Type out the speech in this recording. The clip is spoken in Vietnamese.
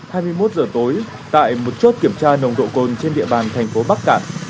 hai mươi một giờ tối tại một chốt kiểm tra nồng độ cồn trên địa bàn thành phố bắc cạn